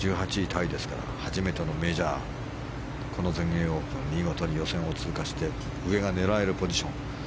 タイですから初めてのメジャーこの全英オープンで見事に予選を通過して上が狙えるポジション。